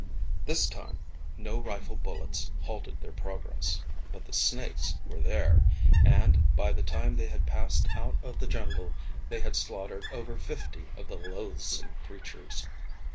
This time no rifle bullets halted their progress, but the snakes were there, and, by the time they had passed out of the jungle they had slaughtered over fifty of the loathsome creatures.